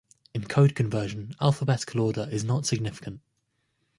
In code conversion, alphabetical order is not significant.